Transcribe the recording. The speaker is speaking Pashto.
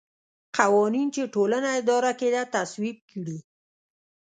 قوانین چې ټولنه اداره کېده تصویب کړي.